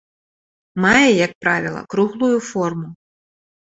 Мае, як правіла, круглую форму.